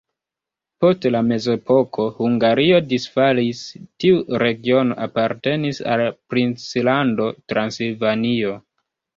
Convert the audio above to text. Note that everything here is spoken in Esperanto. Post la mezepoko Hungario disfalis, tiu regiono apartenis al princlando Transilvanio.